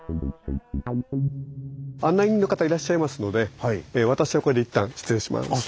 案内人の方いらっしゃいますので私はこれで一旦失礼します。